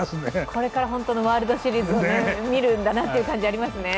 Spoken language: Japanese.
これから本当のワールドシリーズを見るんだなという感じがしますね。